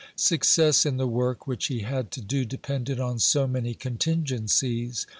Success in the work which he had to do depended on so many contingencies.